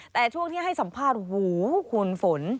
แต่ช่วงที่ให้สัมภาษณ์โอ้โหคุณฝน